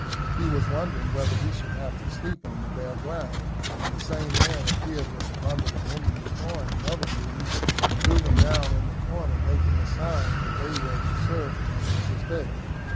He was wondering whether he should have to sleep on the bare ground, when the same man appeared with a bundle of Indian corn and other leaves, and threw them down in the corner, making a sign that they were to serve him as his bed.